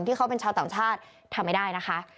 ที่เขาเป็นชาวต่างชาติทำไม่ได้นะคะ